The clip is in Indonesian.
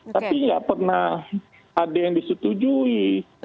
tapi nggak pernah ada yang disetujui